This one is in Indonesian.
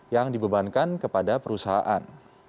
yang dibebankan kepada perusahaan